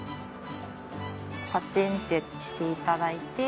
パチンってしていただいて。